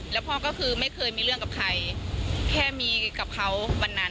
แล้วพ่อก็คือไม่เคยมีเรื่องกับใครแค่มีกับเขาวันนั้น